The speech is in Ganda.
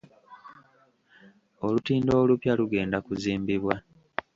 Olutindo olupya lugenda kuzimbibwa.